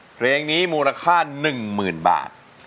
เพลงนี้มูลค่า๑๐๐๐บาท